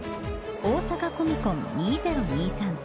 大阪コミコン２０２３。